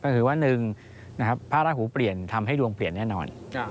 ก็คือว่า๑พระราหูเปลี่ยนทำให้ดวงเปลี่ยนแน่นอน